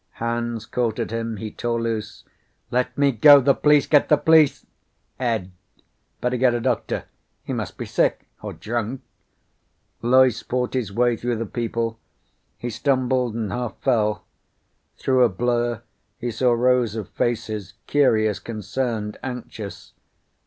Hands caught at him. He tore loose. "Let me go! The police! Get the police!" "Ed " "Better get a doctor!" "He must be sick." "Or drunk." Loyce fought his way through the people. He stumbled and half fell. Through a blur he saw rows of faces, curious, concerned, anxious.